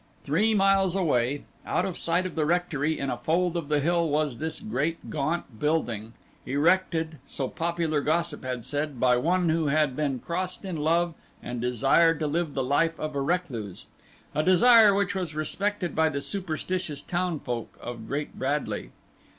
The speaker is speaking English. Three miles away, out of sight of the rectory in a fold of the hill was this great gaunt building, erected, so popular gossip said, by one who had been crossed in love and desired to live the life of a recluse, a desire which was respected by the superstitious town folk of Great Bradley.